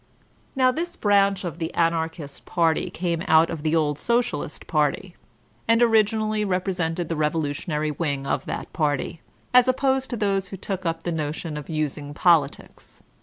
Now this branch of the Anarchist party came out of the old Socialist party, and originally represented the revolutionary wing of that party, as opposed to those who took up the notion of using politics.